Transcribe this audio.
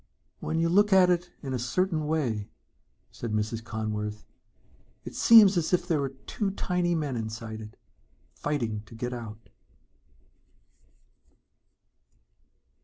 "When you look at it in a certain way," said Mrs. Conworth, "it seems as if there are two tiny men inside it, fighting to get out."